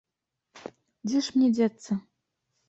Дзе ж мне дзецца?